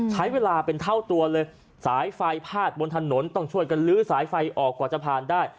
ใช้เวลาเป็นเท่าตัวเลยสายไฟพาดบนถนนต้องช่วยกันลื้อสายไฟออกกว่าจะผ่านได้